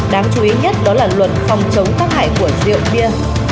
đáng chú ý nhất đó là luật phòng chống tác hại của rượu bia